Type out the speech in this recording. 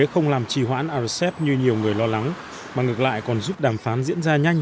không làm trì hoãn rcep như nhiều người lo lắng mà ngược lại còn giúp đàm phán diễn ra nhanh